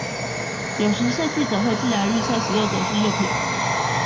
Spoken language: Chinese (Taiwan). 有時設計者會自然預設使用者是右撇子